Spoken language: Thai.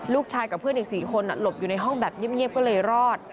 กับเพื่อนอีก๔คนหลบอยู่ในห้องแบบเงียบก็เลยรอด